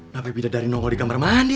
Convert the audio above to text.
nampak beda dari nongol di kamar mandi